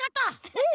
うん！